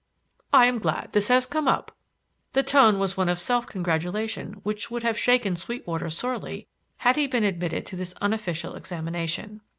"I am glad this has come up." The tone was one of self congratulation which would have shaken Sweetwater sorely had he been admitted to this unofficial examination.